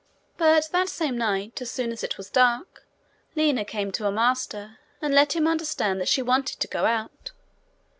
But that same night, as soon as it was dark, Lina came to her master, and let him understand she wanted to go out.